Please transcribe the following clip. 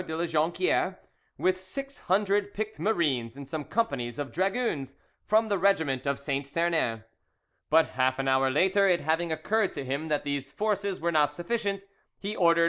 de La Jonquiere, with six hundred picked marines and some companies of dragoons from the regiment of Saint Sernin, but half an hour later, it having occurred to him that these forces were not sufficient, he ordered M.